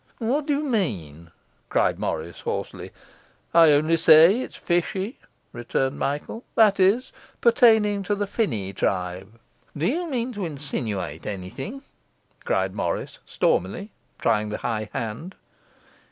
'What do you mean?' cried Morris hoarsely. 'I only say it's fishy,' returned Michael, 'that is, pertaining to the finny tribe.' 'Do you mean to insinuate anything?' cried Morris stormily, trying the high hand.